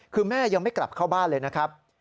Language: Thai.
คือแม่ยังไม่กลับเข้าบ้านเลยนะครับ